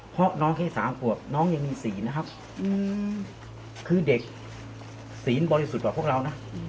เพราะน้องแค่๓ขวบน้องยังมีศีลนะครับคือเด็กศีลบริสุทธิ์กว่าพวกเรานะ